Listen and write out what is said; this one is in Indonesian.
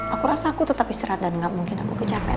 aku rasa aku tetap istirahat dan gak mungkin aku kecapaian